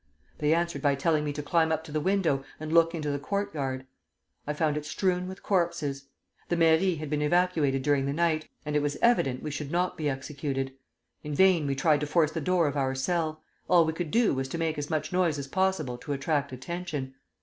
They answered by telling me to climb up to the window and look into the courtyard. I found it strewn with corpses. The mairie had been evacuated during the night, and it was evident we should not be executed. In vain we tried to force the door of our cell; all we could do was to make as much noise as possible to attract attention.